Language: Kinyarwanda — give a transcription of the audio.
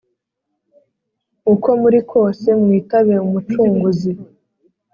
Uko muri kose mwitabe umucunguzi